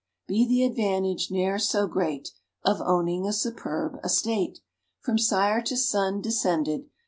Be the advantage ne'er so great Of owning a superb estate, From sire to son descended.